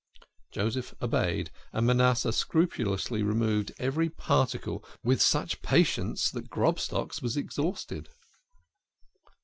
Joseph obeyed, and Manasseh scrupulously removed every particle with such patience that Grobstock's was exhausted.